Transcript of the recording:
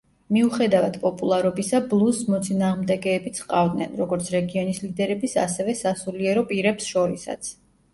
მიუხედავად პოპულარობისა, ბლუზს მოწინააღმდეგეებიც ჰყავდნენ, როგორც რეგიონის ლიდერების, ასევე სასულიერო პირებს შორისაც.